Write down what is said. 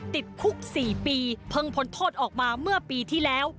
ติดคุก๔ปีเพิ่งพ้นโทษออกมาเมื่อปีที่แล้ว